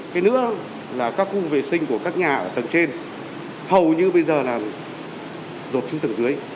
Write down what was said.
cái nữa là các khu vệ sinh của các nhà ở tầng trên hầu như bây giờ là rột xuống tầng dưới